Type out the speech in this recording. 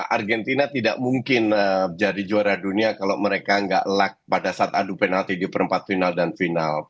argentina tidak mungkin jadi juara dunia kalau mereka nggak luck pada saat adu penalti di perempat final dan final